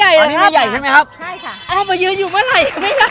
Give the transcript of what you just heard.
อยู่เมื่อไหรยังแม่ใหญ่